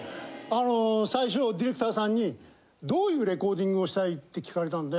あの最初ディレクターさんに「どういうレコーディングをしたい？」って聞かれたんで。